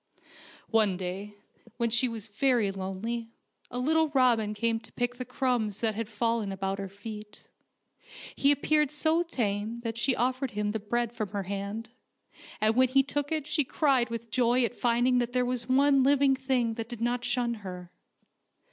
One day, when she was very lonely, a little robin came to pick the crumbs that had fallen about her feet. He appeared so tame that she offered him the bread from her hand, and when he took it she cried with joy at finding that there was one living thing that did not shun her.